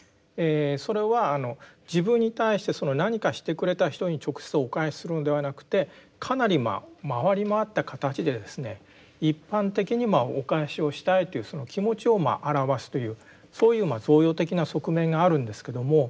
それはあの自分に対して何かしてくれた人に直接お返しするのではなくてかなり回り回った形で一般的にお返しをしたいという気持ちを表すというそういう贈与的な側面があるんですけども。